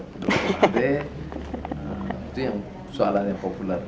ya saya percaya itu soalannya populer